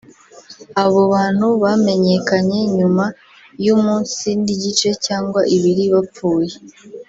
Abo bantu bamenyekanye nyuma y’umunsi n’igice cyangwa ibiri bapfuye